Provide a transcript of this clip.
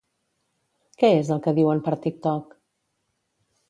Què és el que diuen per TikTok?